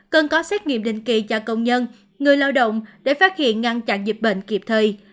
cần có xét nghiệm định kỳ cho công nhân người lao động để phát hiện ngăn chặn dịch bệnh kịp thời